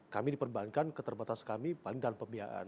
kami diperbankan keterbatasan kami paling dalam pembiayaan